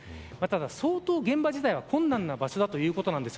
相当、現場自体は困難な場所だということなんです。